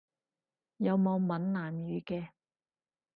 有冇閩南語嘅？